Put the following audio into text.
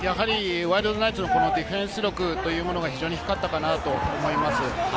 ワイルドナイツのディフェンス力というものが非常に光ったかなと思います。